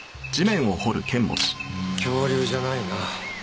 恐竜じゃないな。